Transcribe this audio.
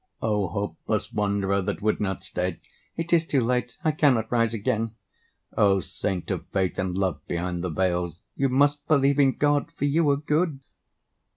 O hopeless wanderer that would not stay, ("It is too late, I cannot rise again!") O saint of faith in love behind the veils, ("You must believe in God, for you are good!")